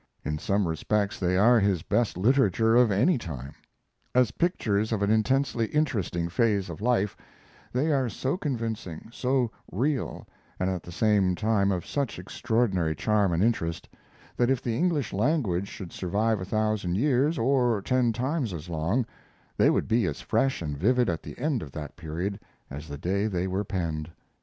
In some respects they are his best literature of any time. As pictures of an intensely interesting phase of life, they are so convincing, so real, and at the same time of such extraordinary charm and interest, that if the English language should survive a thousand years, or ten times as long, they would be as fresh and vivid at the end of that period as the day they were penned.